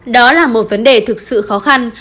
đó là một vấn đề thực sự khó khăn